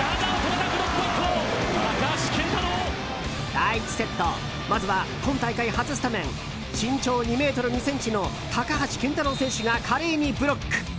第１セットまずは今大会初スタメン身長２ｍ２ｃｍの高橋健太郎選手が華麗にブロック。